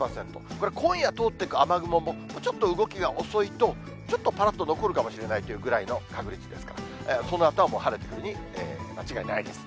これ、今夜通っていく雨雲もちょっと動きが遅いと、ちょっとぱらっと残るかもしれないというぐらいの確率ですから、そのあとはもう晴れてくるに間違いないです。